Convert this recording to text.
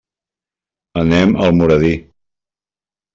Anem a Almoradí.